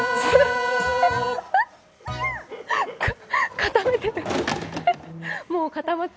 固めてて。